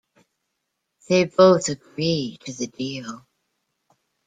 They both agree to the deal.